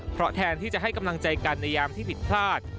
เพราะแทนที่จะให้กำลังใจกันในยามที่ผิดพลาด